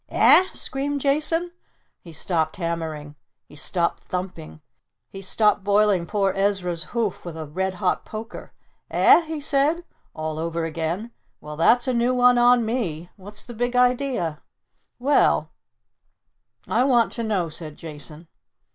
"Eh?" screamed Jason. He stopped hammering. He stopped thumping. He stopped boiling poor Ezra's hoof with a red hot poker. "Eh?" he said all over again. "Well, that's a new one on me! What's the Big Idea?" "Well I want to know," said Jason.